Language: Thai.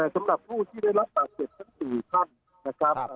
สำหรับผู้ที่ได้รับบาดเจ็บทั้ง๔ท่านนะครับ